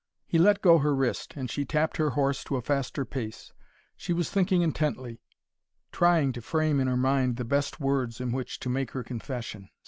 He let go her wrist, and she tapped her horse to a faster pace. She was thinking intently, trying to frame in her mind the best words in which to make her confession.